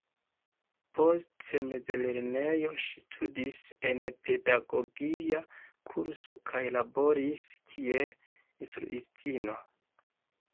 Post mezlernejo ŝi studis en pedagogia kurso kaj laboris kiel instruistino.